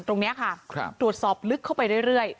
ตรวจสอบลึกเข้าไปเรื่อย